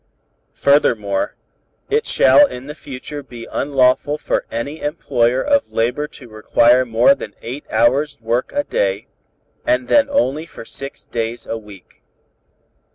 _ Furthermore, it shall in the future be unlawful for any employer of labor to require more than eight hours work a day, and then only for six days a week.